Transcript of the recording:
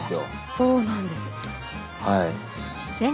そうなんですね。